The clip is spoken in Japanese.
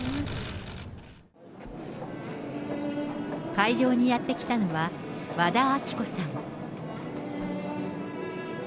会場にやって来たのは、和田アキ子さん。